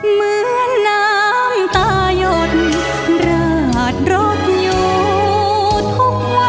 เหมือนน้ำตายนราดรถอยู่ทุกวัน